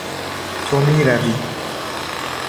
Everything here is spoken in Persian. تو میروی